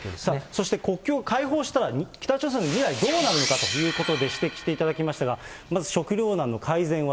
そして国境開放したら北朝鮮の未来、どうなるのかということで、指摘していただきましたが、まず食糧難の改善は？